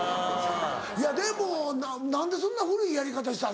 いやでも何でそんな古いやり方したん？